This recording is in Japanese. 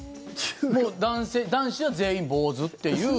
もう男子は全員坊主っていう。